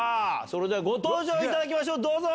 それではご登場いただきましょうどうぞ！